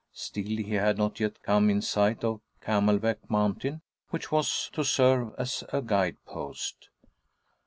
Still, he had not yet come in sight of Camelback Mountain, which was to serve as a guide post.